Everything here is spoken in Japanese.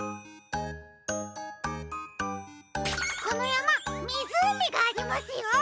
このやまみずうみがありますよ！